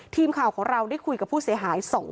ทีมข่าวของเราได้คุยกับผู้เสียหาย